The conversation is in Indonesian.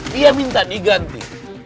dia minta diganti